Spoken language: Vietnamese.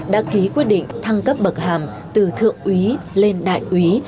đã ký quyết định thăng cấp bậc hàm từ thượng úy lên đại úy